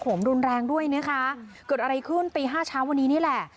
ผมรุนแรงด้วยนะคะเกิดอะไรขึ้นตีห้าเช้าวันนี้นี่แหละ